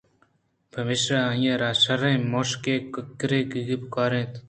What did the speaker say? پمیشا آئی ءَ را شرّیں مُشگ ءُ ککّرگے پکّار اِنت